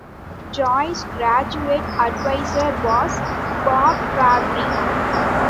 Joy's graduate advisor was Bob Fabry.